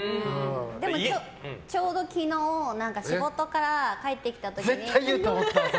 でも、ちょうど昨日仕事から帰ってきた時に。